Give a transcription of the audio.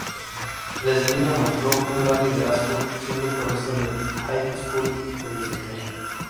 Desde niña mostró un gran liderazgo siendo porrista del High School donde estudió.